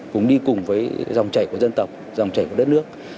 cùng đi cùng với dòng chảy của dân tộc dòng chảy của đất nước